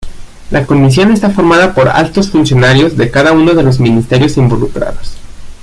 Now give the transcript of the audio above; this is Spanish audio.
La comisión está formada por altos funcionarios de cada uno de los ministerios involucrados.